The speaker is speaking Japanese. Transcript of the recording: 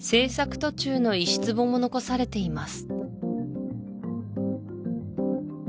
途中の石壺も残されています